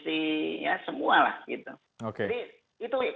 semua lah jadi itu